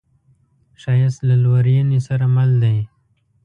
ښایست له لورینې سره مل دی